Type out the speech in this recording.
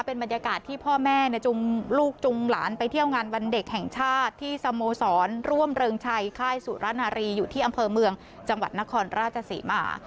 เป็นบรรยากาศที่พ่อแม่จุงลูกจุงหลานไปเที่ยวงานวันเด็กแห่งชาติที่สโมสรร่วมเริงชัยค่ายสุรนารีอยู่ที่อำเภอเมืองจังหวัดนครราชศรีมา